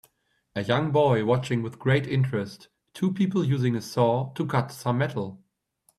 A young boy watching with great interest, two people using a saw to cut some metal.